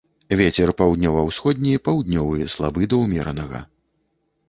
Вецер паўднёва-ўсходні, паўднёвы слабы да ўмеранага.